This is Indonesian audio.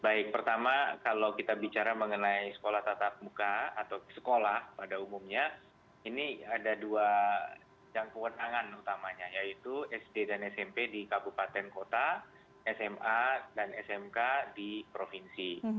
baik pertama kalau kita bicara mengenai sekolah tatap muka atau sekolah pada umumnya ini ada dua yang kewenangan utamanya yaitu sd dan smp di kabupaten kota sma dan smk di provinsi